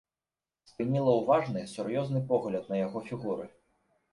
Спыніла ўважны, сур'ёзны погляд на яго фігуры.